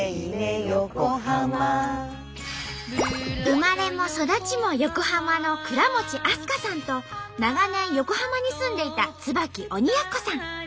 生まれも育ちも横浜の倉持明日香さんと長年横浜に住んでいた椿鬼奴さん。